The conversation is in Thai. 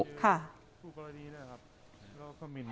้านก่อนเลยรามีฟังค่ะ